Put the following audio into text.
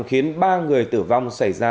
khiến ba người tử vong xảy ra